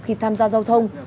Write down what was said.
khi tham gia giao thông